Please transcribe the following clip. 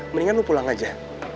mendingan lu pulang aja